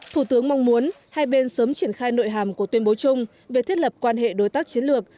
thủ tướng mong muốn hai bên sớm triển khai nội hàm của tuyên bố chung về thiết lập quan hệ đối tác chiến lược